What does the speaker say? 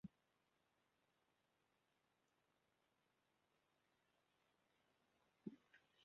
Doedd hynny ddim yn hollol wir gyda'n dau record nesaf.